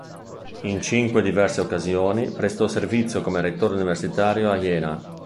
In cinque diverse occasioni, prestò servizio come rettore universitario a Jena.